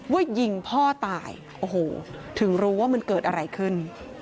ยิงพ่อตายโอ้โหถึงรู้ว่ามันเกิดอะไรขึ้น